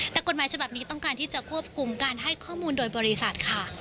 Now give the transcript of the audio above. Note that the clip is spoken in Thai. แต่กฎหมายฉบับนี้ต้องการที่จะควบคุมการให้ข้อมูลโดยบริษัทค่ะ